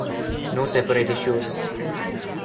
No separate issues.